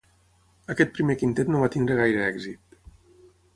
Aquest primer quintet no va tenir gaire èxit.